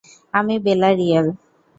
আমি বেলা রিয়েল।